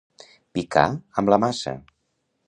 Picar amb la maça.